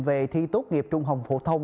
về thi tốt nghiệp trung học phổ thông